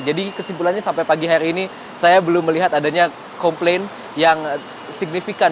jadi kesimpulannya sampai pagi hari ini saya belum melihat adanya komplain yang signifikan